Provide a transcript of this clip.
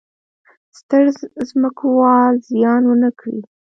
ستر ځمکوال زیان ونه کړي.